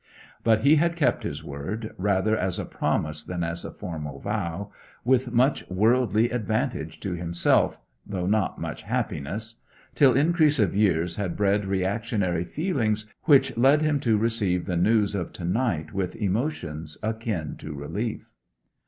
But he had kept his word, rather as a promise than as a formal vow, with much worldly advantage to himself, though not much happiness; till increase of years had bred reactionary feelings which led him to receive the news of to night with emotions akin to relief.